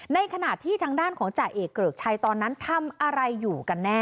ในขณะที่ทางด้านของจ่าเอกเกริกชัยตอนนั้นทำอะไรอยู่กันแน่